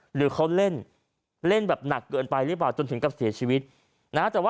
หรือเขาเล่นเล่นแบบหนักเกินไปหรือเปล่าจนถึงกับเสียชีวิตนะฮะ